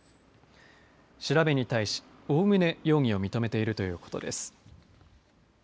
調べに対しおおむね容疑を認めているということです。